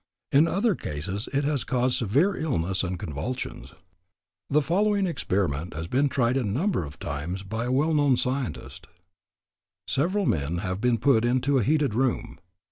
In other cases it has caused severe illness and convulsions. The following experiment has been tried a number of times by a well known scientist: Several men have been put into a heated room.